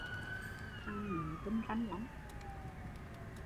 Thằng nớ tinh ranh lắm